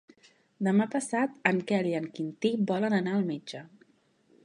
Demà passat en Quel i en Quintí volen anar al metge.